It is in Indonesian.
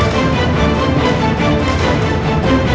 jika dia melepaskan ikatanku